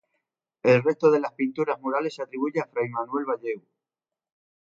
El resto de las pinturas murales se atribuye a fray Manuel Bayeu.